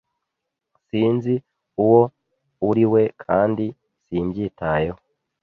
Sinzi uwo uriwe kandi simbyitayeho.